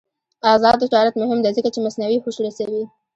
آزاد تجارت مهم دی ځکه چې مصنوعي هوش رسوي.